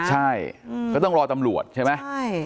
ใช่ก็ต้องรอตำรวจใช่ไหม